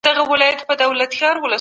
ښځې او سړي د ټولني دوه وزرونه دي.